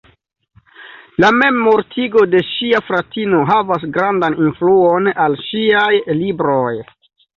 La memmortigo de ŝia fratino havas grandan influon al ŝiaj libroj.